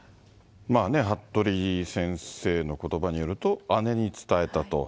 服部先生のことばによると、姉に伝えたと。